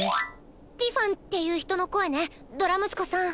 ティファンっていう人の声ねドラムスコさん。